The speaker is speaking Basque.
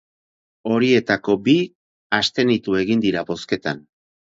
Horietako bi abstenitu egin dira bozketan.